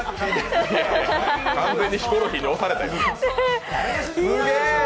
完全にヒコロヒーに押されたよ。